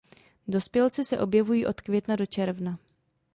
Dospělci se objevují od května do června.